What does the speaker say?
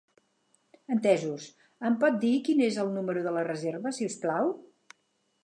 Entesos, em pot dir quin és el número de la reserva, si us plau?